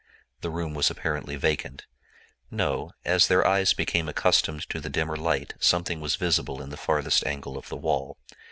The room was apparently vacant—no; as their eyes became accustomed to the dimmer light something was visible in the farthest angle of the wall.